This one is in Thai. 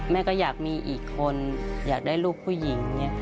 แม่ก็อยากมีอีกคนอยากได้ลูกผู้หญิง